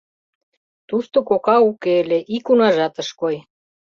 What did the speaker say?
Тушто кока уке ыле, ик унажат ыш кой.